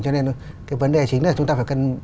cho nên vấn đề chính là chúng ta phải